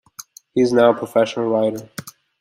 He is now a professional writer.